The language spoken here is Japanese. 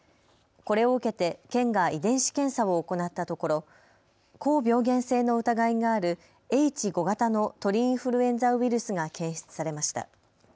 これを受けて県が遺伝子検査を行ったところ、高病原性の疑いがあるＨ５型の鳥インフルエンザウイルスが検出されました。